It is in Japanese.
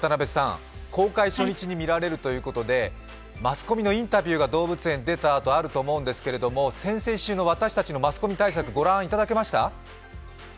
公開初日に見られるということでマスコミのインタビューが動物園を出た後あると思いますが先々週の私たちのマスコミ対策、御覧いただけました？